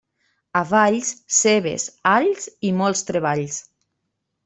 A Valls, cebes, alls i molts treballs.